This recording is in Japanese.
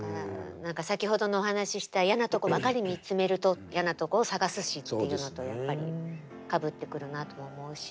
先ほどのお話しした嫌なとこばかり見つめると嫌なところを探すしっていうのとやっぱりかぶってくるなとも思うし。